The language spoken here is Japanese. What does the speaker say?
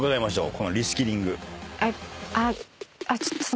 このリスキリング。